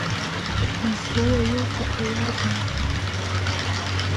Нас руа иуҭаху иарбану?